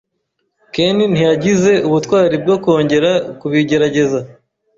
Ken ntiyagize ubutwari bwo kongera kubigerageza.